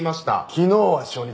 昨日は初日。